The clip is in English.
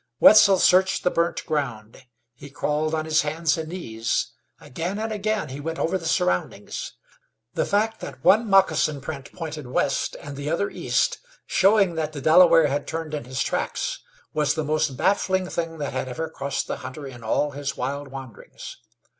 Wetzel searched the burnt ground; he crawled on his hands and knees; again and again he went over the surroundings. The fact that one moccasin print pointed west and the other east, showed that the Delaware had turned in his tracks, was the most baffling thing that had ever crossed the hunter in all his wild wanderings.